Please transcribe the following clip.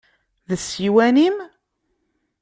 D ssiwan-im?